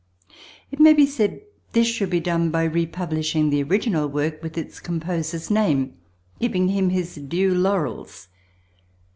It may be said this should be done by republishing the original work with its composer's name, giving him his due laurels.